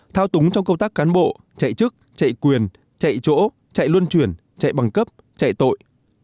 thao túng trong công tác cán bộ chạy chức chạy quyền chạy chỗ chạy luân chuyển chạy bằng cấp chạy tội